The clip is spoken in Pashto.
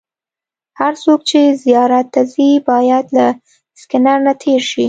هر څوک چې زیارت ته ځي باید له سکېنر نه تېر شي.